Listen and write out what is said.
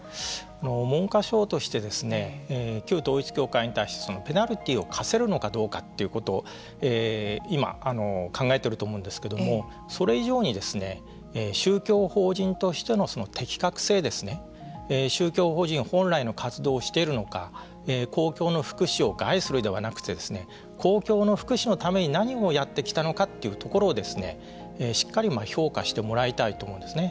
文科省として旧統一教会に対してペナルティーを科せるのかどうかということを今、考えていると思うんですけれどもそれ以上に、宗教法人としての適格性ですね宗教法人本来の活動をしているのか公共の福祉を害するではなくて公共の福祉のために何をやってきたのかというところをしっかり評価してもらいたいと思うんですね。